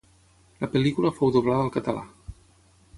La pel·lícula fou doblada al català.